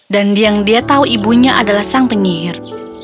dan yang dia tahu ibunya adalah sang penyihir